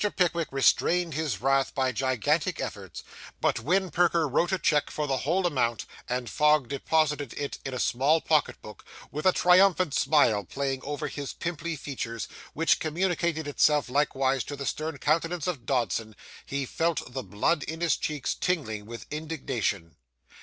Pickwick restrained his wrath by gigantic efforts; but when Perker wrote a cheque for the whole amount, and Fogg deposited it in a small pocket book, with a triumphant smile playing over his pimply features, which communicated itself likewise to the stern countenance of Dodson, he felt the blood in his cheeks tingling with indignation.